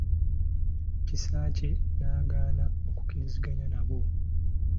Kisaakye n'agaana okukkiriziganya nabo.